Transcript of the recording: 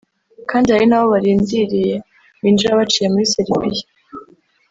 kandi hari n'abo barindiriye binjira baciye muri Serbia